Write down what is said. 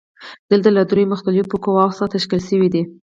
دولت له دریو مختلفو قواوو څخه تشکیل شوی دی.